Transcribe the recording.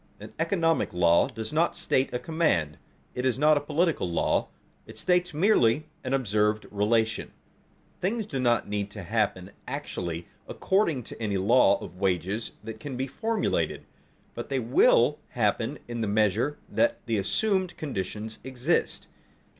An economic law does not state a command; it is not a political law; it states merely an observed relation. Things do not need to happen actually according to any law of wages that can be formulated, but they will happen in the measure that the assumed conditions exist.